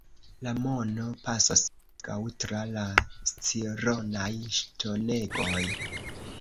La mono pasos morgaŭ tra la Scironaj ŝtonegoj.